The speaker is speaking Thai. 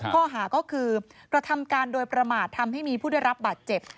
ข้อหาก็คือกระทำการโดยประมาททำให้มีผู้ได้รับบาดเจ็บ